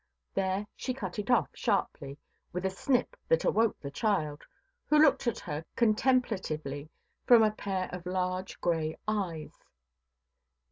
There she cut it off sharply, with a snip that awoke the child, who looked at her contemplatively from a pair of large grey eyes.